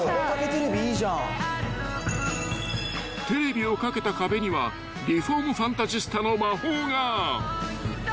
［テレビを掛けた壁にはリフォームファンタジスタの魔法が］